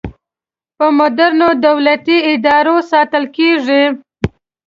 په مدرنو دولتي ادارو ساتل کیږي.